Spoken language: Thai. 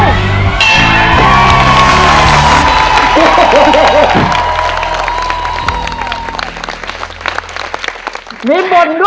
ทำไปได้แล้วหนึ่งข้อนะครับ